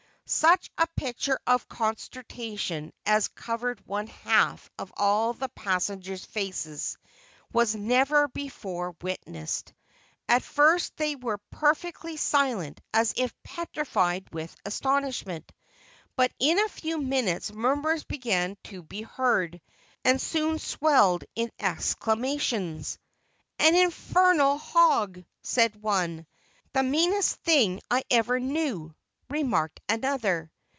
Such a picture of consternation as covered one half of all the passengers' faces, was never before witnessed. At first they were perfectly silent as if petrified with astonishment. But in a few minutes murmurs began to be heard, and soon swelled into exclamations. "An infernal hog!" said one. "The meanest thing I ever knew," remarked another.